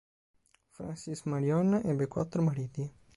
Frances Marion ebbe quattro mariti.